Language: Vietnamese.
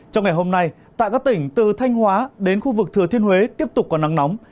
trong ngày hôm nay tại các tỉnh từ thanh hóa đến khu vực thừa thiên huế tiếp tục có nắng nóng